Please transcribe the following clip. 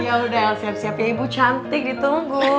yaudah siap siap ya ibu cantik ditunggu